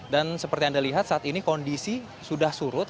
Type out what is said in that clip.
dan seperti anda lihat saat ini kondisi sudah surut